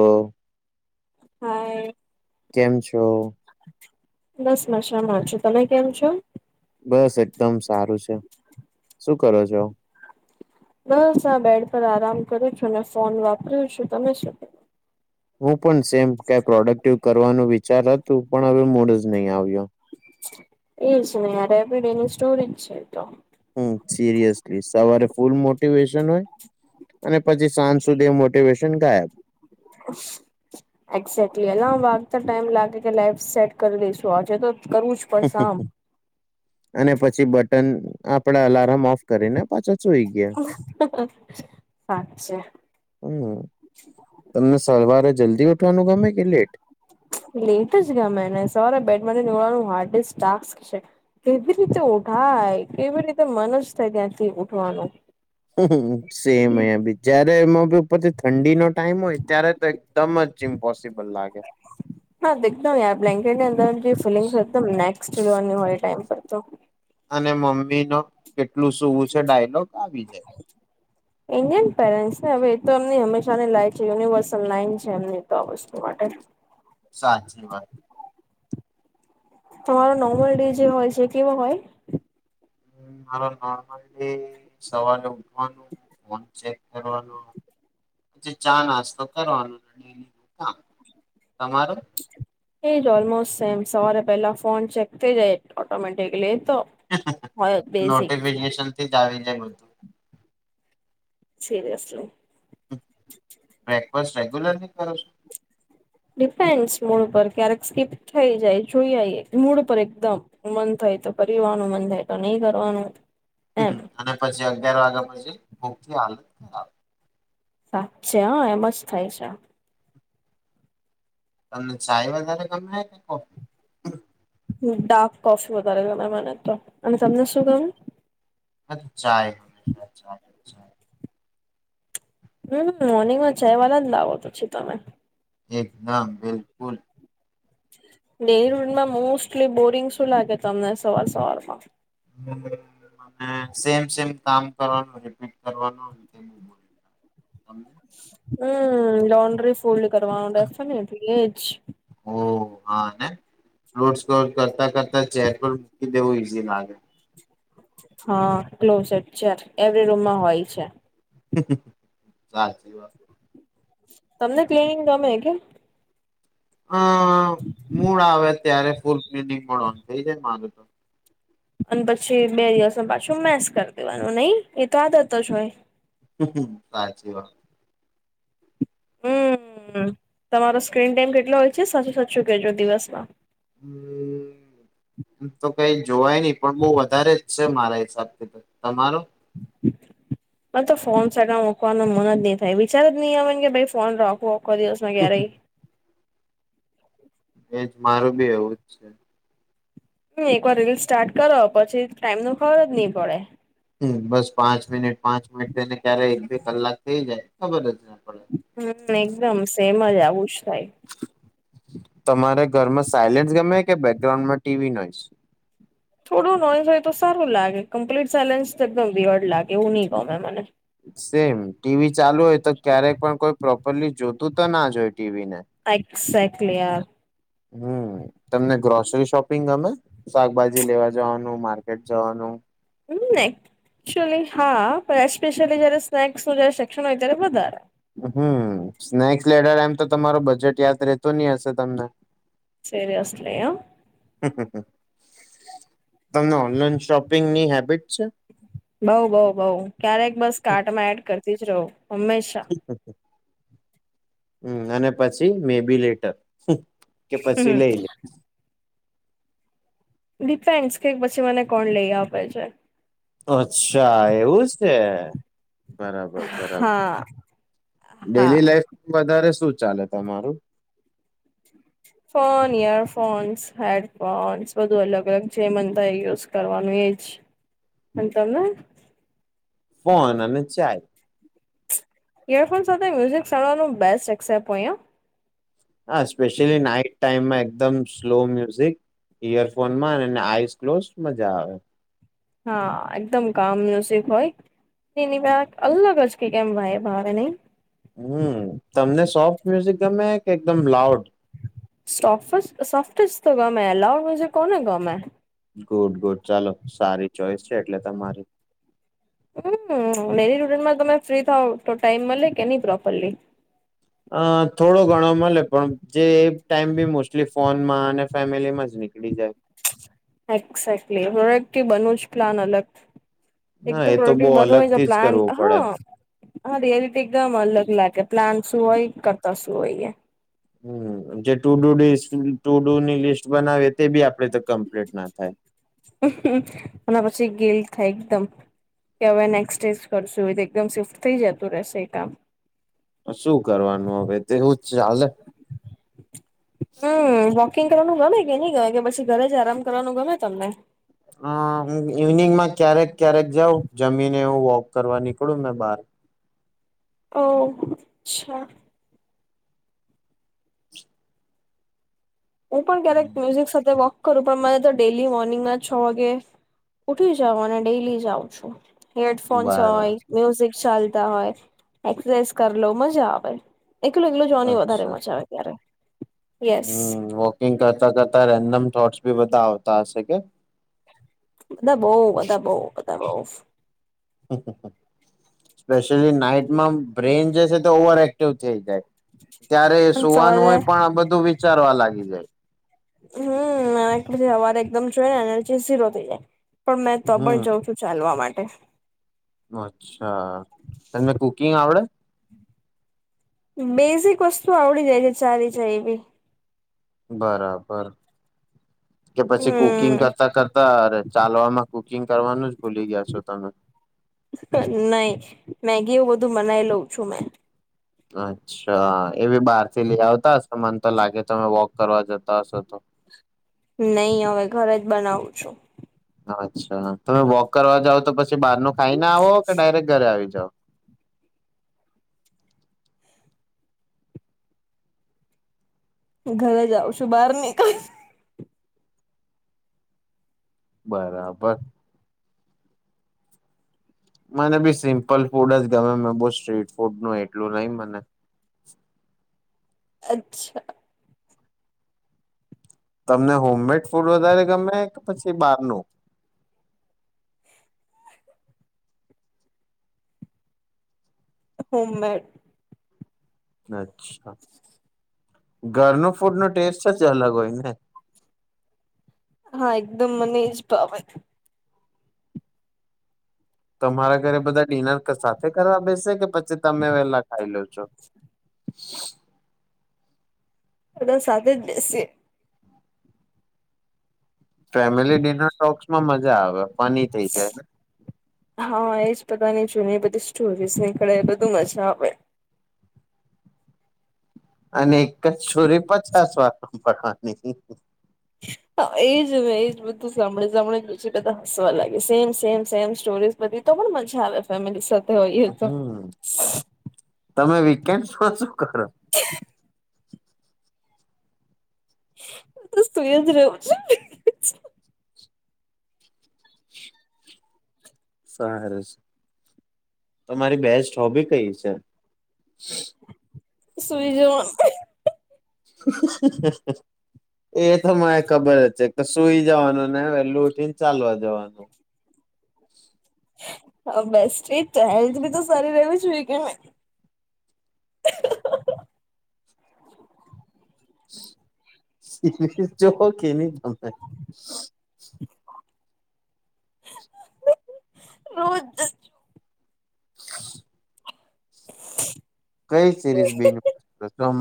હ. હાય. કેમ છો? બસ મશામાં છું. તમે કેમ છો? બસ એકદમ સારું છે. શું કરો છો બસ આ બેડ પર આરામ કરું છું. અને ફોન વાપર છું તમે શું? હું. પણ સેમ કય પ્રોડક્ટિવ કરવાનો વિચાર હતું પણ હવે મૂડ જ નહીં આવ્યો એજ નેય રેપીડીની સ્ટોરીજ છે તો હમ સિરિયસલી સવારે ફૂલ મોટિવેશન હોય અને પછી સાંજ સુધી મોટિવેશન ગાયબ એક્ઝેકલી અલામ વાગતા ટાઈમ લાગે કે લાઈફ સેટ કરી દઈશું આજે તો કરવું જ પડશે આમ અને પછી બટન આપડે અલાર્મ ઓફ કરીને પાછો સુઈ ગયા સાચે હમ્મા તમને સલવારે જલ્દી ઠવાનું ગમે કે લેટ? લેટ જ ગમેને સવારે બેડ [unintelligible] જોવાનું હાર્ડિસ્ક ટાસ્ક છે. કેવી રીતે ઉઠાય કેવી રીતે મન જ થાય ત્યાંથી ઉઠવાનું. હમ્મ સેમ મે બી જયારે એમાં ઉપરથી ઠંડીનો ટાઈમ હોય ત્યારે તે એકદમ જ ઇમ્પોસિબલ લાગે. હા દેખતો [unintelligible] બ્લાંકેટ ની અંદર નીફીલિંગ્સ કદમ નેસ્ટલેવલની હોયએ ટાઈમ તો. અને મમ્મી નો કેટલું સૂવું છે ડાયલોગ આવી જાય. ઇન્ડિયન પેરેન્ટસ ને હવે એ તો એમની હંમેશાની લાઇન યુનિવર્સલ લાઈન જેમની તો આ વસ્તુ માટે. સાચી વાત તમારો નોમલ ડે જે હોય છે કેવા હોય? હ મારો નોર્મલી સવારે ઉઠવાનું ફોન ચેક કરવાનો પછી ચા- નાસ્તો કરવાનો. તમારો? એજ ઓલમોસ્ટ સેમ સવારે પહેલા ફોન ચેક થઈ જાય ઓટોમેટિકલી તો નોટિફિકેશન [unintelligible] થી આવી જાય બધું. સીરિયસલી. બસ રેગ્યુલરની કરો છો? ડિફેન્ડ મૂળ પર ક્યારેક સ્કીપ થઈ જાય જોઈ આ મૂડ પર એકદમ, મન થાય તો કરીનું મન થાય તો નહીં કરવાનું. એમ અને પછી અગિયાર વાગ્યા પછી? હાલ. [unintelligible] સાચે હા એમ જ થાય છે. તમને ચાય વધારે ગમે કે કોફી? ડાર્ક કોફી વધારે ગણ મને તો, અને તમને શું કહ્યું? અ ચાય હમેશા ચાય. ચાય. હમ મોર્નિંગમા ચાય વાલા લાવોતો છો તમે. એકદમ બિલકુલ. ડેડમાં [unintelligible] મોસ્ટલી સેમ સમ કામ કરવાનું રિપીટ કરવાનું, બોલી [unintelligible] હમ લોન્ડ્રી ફોલ્ડ કરવાઉન્ડ ના છે ને એટલે એ [unintelligible] ઓ હા ને, લોડ સ્કોર કરતા કરતા ચેર પણ મૂકી દેવું ઈઝી લાગે. હા કલોઝટ છે એવરી રૂમમાં હોય છે. [unintelligible] સાચી વાત. તમને ક્લીિનિંગ ગમે કે? હ મૂળ આવેત ત્યારે ફૂલ ક્નિંગ મળવાનું થઈ જાય મારું તો. અને પછી બે દિવસ પાછું મેસ કરી દેવાનું નહી, એ તો આદત જ હોય. [unintelligible] સાચી વાત. હમ હમ તમારો સ્ક્રીન ટાઈમ કેટલો હોય છે સાચું સાચું કેજો દિવસમાં? હમ એમ તો કઈ જોવાય નહી પણ બો વધારે જ છે મારા હિસાબથી તો, તમારો? મેં તો ફોન સગા મુકવાનું મન જ નહી થાય વિચાર જ નહી આવે કે ભાઈ ફોન રોકવો કો દિવસ હુંયા રહી. એજ મારું બી એવું જ છે. હમ એકવાર રીલ સ્ટાર્ટ કરો પછી ટાઈમ નું ખબર જ નહી પડે. હમ બસ પાંચ મિનિટ પાંચ મિનિટ થઈને ક્યારે એક બે કલાક થઇ જાય, ખબર જ પડે હમ એકદમ સેમ. મજા આવું જ થાય. તમારે ઘરમાં સાઈલેન્ટસ ગમે કે બેકગ્રાઉન્ડમાં ટીવી નોઇસ? થોડું નોઈઝ હોય તો સારું લાગે કમ્પ્લીટ સાયલેન્સ તો એકદમ વિર્ડ લાગે એવું નહી ગમે મને. સેમ ટીવી ચાલુ હોય તો ક્યારેક પણ કોઈ પ્રો ભલી જોતું તો ના જોઈ. સાસ. કલિયાાર. હમ. તમને ગ્રોસરી શોપિંગ ગમે? શાકભાજી લેવા જવાનું માર્કેટ જવાનું? નઈ અક્ટયુઅલી હા, એપેશયલી જયારે સ્નેક્સ ન જ સેક્શન હોય ત્યારે વધારે. હમ સ્નેક્સ લેડર એમ તો તમારો બજેટ યાદ રહેતો નહી હશે તમને. સરી અસ લયા. હમ હમ! તમને ઓનલાઈન શોપિંગની હેબિટ છે? બઉ-બઉ-બઉ ક્યારેક બસ કાર્ટમાં એડ કરતી જ રહું હંમેશા. હમ્મ અને પછી મેબીલેટર. કે હમ પછી લઈ લે. ડિપેન્ડસ કે પછી મને કોણ લઈ આપે છે. અચ્છા એવું છે. બરાબર બરાબર હા ડેલી હા. લાઈફ વધારેમાં તારે શું ચાલે તમારું? ફોન, ઈયરફોન્સ, હેડફોન્સ બધું અલગ અલગ જે મન થાય એ યુઝ કરવાનું એજ. અને તમે? ફોન અને ચાય. ઈયરફોન સાથે મ્યુઝિક સાંભળવાનું બેસ્ટ એસેપ હોય અ. હા સ્પેશ્યલી નાઈટ ટાઈમમાં એકદમ સ્લો મ્યુઝિક, ઈયરફોનમાં અને આઈ ક્લોસ મજા આવે. હા એકદમ કામ મ્યુઝિક હોય તેની અલગ જ કે કેમ વાઈબ આવે નહી? તમે કે એકદમ લાઉડ સફ સોફ્ટ તો ગમે અલાવડ મુજ કોન ગમે? ગુડ ગુડ ચાલો સારી ચોઈસ. છે એટલે તમારી હમ મેરી રૂડનમાં તમે ફ્રી થાવ તો ટાઈમ મળે કે નહી પ્રોપરલી? અહ થોડો ઘણો મળે, પણ જે ટાઈમ બી મોસ્ટલી ફોનમાં અને ફેમિલીમાં જ ની એક્સેટલી હ કી બનું જ પ્લાન અલગ. હા એકદમ એ તો પ્રોડક્ટિવ બહુ બનવું અલગ હોય થી જ પ્લાન કરવું પડે હા-હા રિયાલિટી એકદમ અલગ લાગે પ્લાન શું હોય કરતાં શું હોય. [unintelligible] હમ્મ જે ટુ ડુ ડી સ ટુ ડુ ની લિસ્ટ બનાવે તે બી આપડે તે કમ્પ્લીટ ના થાય. અને પછી ગિલ્ટ થાય એકદમ, કે હવે નેક્સ્ટેજ કરશું એકદમ શિફ્ટ થઇ જતું રેશે એ કામ. શું કરવાનું હવે તેવું જ ચાલે. હમ્મ. વોકિંગ કરવાનું ગમે કે નહી ગમે કે પછી ઘરે જ આરામ કરવાનું ગમે તમને? હા હું ઇવનિંગમાં ક્યારેક ક્યારેક જાઉ જમીને એવું વોક કરવા નીકળું મેં બાર. ઓ અચ્છા. હું પણ ક્યારેક મ્યુઝિક સાથે વોક કરું પણ મારે તો ડેલી મોર્નિંગમાં છ વાગે ઉઠી જાવ અને ડેલી જાઉ છું. હેડફોન્સ બરાબર હોય, મ્યુઝિક ચાલ હોય એક્ઝેસ કર લઉં મજા આવે. એકલો એકલો જોવાની વધારે અચ્છા મજા આવે ત્યારે. યેસ. કિંગ કરતા કરતા રેન્ડમ થોટસ બી બધા આવતા હશે કે? બધા બહું-બધા બહું-બધા બઉ. સ્પેશ્યલી નાઈટમાં બ્રેન જે છે તો ઓવર એક્ટિવ થઈ જાય. ત્યારે સુવાનું સવારે હોય પણ આ બધું વિ ઉચારવા લાગી જાય. હમ પછી હવાર એકદમ જોએ ને એજી સીરો થઇ જાય. પણ મેં તો પણ હમ જાઉં છું ચાલવા માટે. [inaudible] અચ્છા તને કુકિંગ આવડે. બેઝિક વસ્તુ આવડી જાય છે ચાલી જાય એવી. બરાબર. કે પછી કુકિંગ હમ કરતા કરતા અ ચાલવામાં કુ બુકિંગ કરવાનું જ ભૂલી ગયા છો તમે. નહી મેગીઓ બધું બનાવી લઉં છું મેં. અચ્છા એ બી બહાર થી લઈ આવતા હશે મન તો લાગે તમે વોક કરવા જતા હશો તો. નહી હવે ઘરે જ બનાવું છું. અચ્છા તમે વોક કરવા જાવ. તો પછી બહારનું ખાઈને આવો કે ડાયરેક્ટ ઘરે આવી જ ઘરે જાઉ છું, બહાર નીકળ. બરાબર. મને બી સિમ્પલ ફૂડ જ ગમે, મે બો સ્ટ્રીટ ફૂડનું એટલું નહીં મને. અચ્છા. તમને હોમ મેડ ફૂડ વધારે ગમે કે પછી બારનું? Home made. અચ્છા. ઘરનું ફૂડનો ટેસ્ટ જ અલગ હોય ને! હા, એકદમ મને એજ ભાવે. તમારા ઘરે બધા ડિનર ક સાથે કરવા બેસે, કે પછી તમે વેલા ખાઈ લો છો? બધા સાથે જ બેસીએ. ફેમિલી ડિનર ટોક્સમાં મજા આવે. ફની થઈ જાય. હા, એજ બધાની જૂની એ બધી સ્ટોરીઝ નીકળે, એ બધું મજા આવે. અનેક એક જ સ્ટોરી પચાસ વાર હાંભળવાની. હા, એજ એજ, બધું સાંભળી બધા હસવા લાગે સેમ સેમ સેમ સ્ટોરી બધી. તો પણ મજા આવે ફેમિલી સાથે. તો એ તો. હમ તમે વીકેન્ડ શું છો. કખરા. હું તો સુઈ જ રહવું છ. સારું છે તમારી બેસ્ટ હોબી કઈ છે. સુઈ જોવા. એ તો મને ખબર જ છે કે સુઈ જવાનું ને હવે લૂટીને ચાલવા જવાનું. હ બેસ્ટ એ હેલ્થ બી તો સારી રવી જો કે જો હો કે ન બ થાય. રોજ [inaudible] [inaudible] કઈ સિરીઝ બીજ હમણાં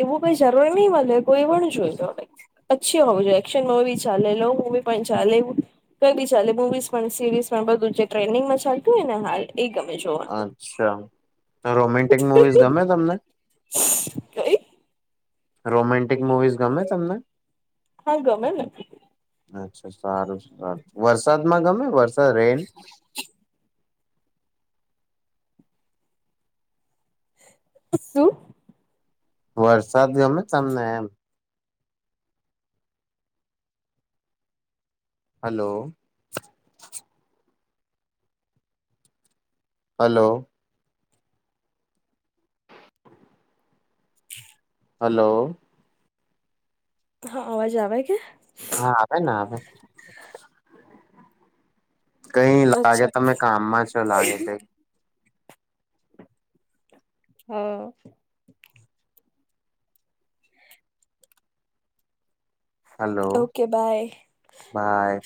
એવુંઈ જરૂર નહી મળે કોઈ પણ જોઈ લો પચ્છી હોવ જોઈએ એક્શન મવી ચાલેલો મવી પણ ચાલે એ ક બી ચાલે મવીઝ પણ સિરીઝ પણ બધું ટ્રેન્ડિંગમાં ચાલતું હોય ને હા. એ ગમે જોવાનું અચ્છા રોમેન્ટિક મુવીઝ ગમે તમને? કય રોમાન્ટ ગમે તમને. હા ગમે ને અચ્છા સારું સારું વરસાદમાં ગમે વરસાદ સરેન. શું? વરસાદ ગમે તમને એમ. હલો. હલો. હલો. હા, અવાજ આવે કે? હા આવે ને આવે કંઈ લાગે અચ્છા તમે કામમાં છો લાગે કંઈ. હા. Hello, okay bye by.